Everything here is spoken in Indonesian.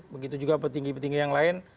begitu juga petinggi petinggi yang lain